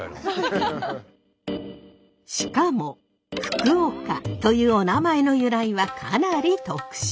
しかも福岡というお名前の由来はかなり特殊。